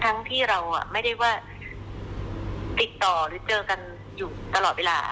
ทั้งที่เราไม่ได้ว่าติดต่อหรือเจอกันอยู่ตลอดเวลา